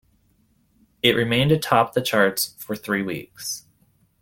It remained atop the charts for three weeks.